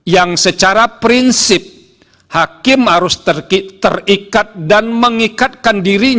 yang secara prinsip hakim harus terikat dan mengikatkan dirinya